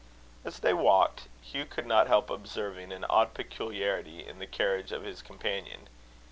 As they walked, Hugh could not help observing an odd peculiarity in the carriage of his companion.